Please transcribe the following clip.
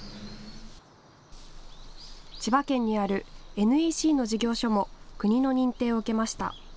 千葉県にあるＮＥＣの事業所も国の認定を受けました。